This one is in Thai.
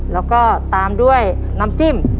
แล้วก็ตามด้วยน้ำจิ้ม